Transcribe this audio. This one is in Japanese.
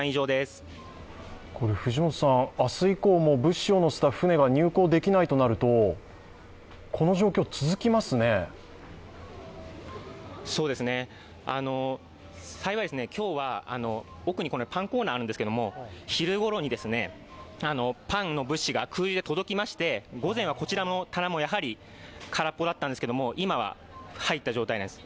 明日以降も物資を載せた船が入港できないとなると幸い、今日は奥にパンコーナーがあるんですが昼頃にパンの物資が届きまして、午前はこちらの棚もやはり空っぽだったんですけれども、今は、入った状態なんです。